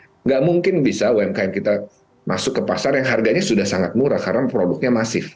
tidak mungkin bisa umkm kita masuk ke pasar yang harganya sudah sangat murah karena produknya masif